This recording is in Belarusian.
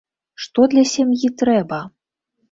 Што для сям'і трэба?